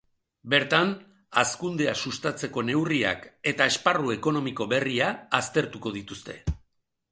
Bertan, hazkundea sustatzeko neurriak eta esparru ekonomiko berria aztertuko dituzte.